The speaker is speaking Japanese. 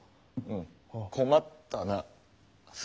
うん困ったな。